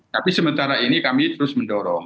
tapi sementara ini kami terus mendorong